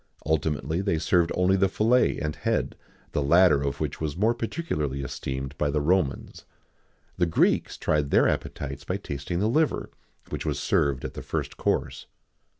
[XIX 73] Ultimately they served only the fillet and head; the latter of which was more particularly esteemed by the Romans.[XIX 74] The Greeks tried their appetites by tasting the liver, which was served at the first course.